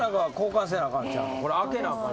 これ開けなあかん。